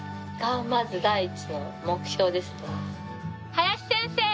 林先生！